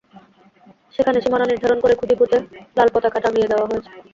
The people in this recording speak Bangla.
সেখানে সীমানা নির্ধারণ করে খুঁটি পুঁতে লাল পতাকা টাঙিয়ে দেওয়া হয়েছে।